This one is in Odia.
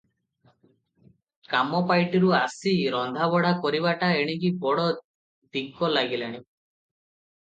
କାମପାଇଟିରୁ ଆସି ରନ୍ଧାବଢ଼ା କରିବାଟା ଏଣିକି ବଡ଼ ଦିକ ଲାଗିଲାଣି ।